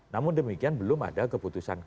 namun demikian belum ada keputusan